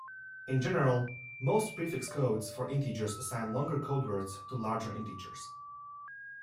In general, most prefix codes for integers assign longer codewords to larger integers.